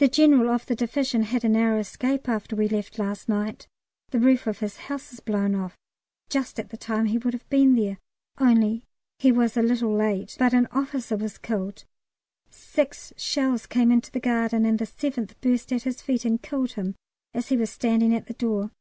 The General of the Division had a narrow escape after we left last night. The roof of his house was blown off, just at the time he would have been there, only he was a little late, but an officer was killed; six shells came into the garden, and the seventh burst at his feet and killed him as he was standing at the door.